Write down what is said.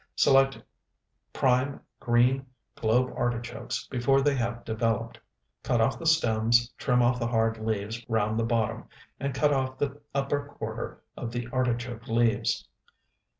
Select prime, green, globe artichokes before they have developed; cut off the stems, trim off the hard leaves round the bottom, and cut off the upper quarter of the artichoke leaves.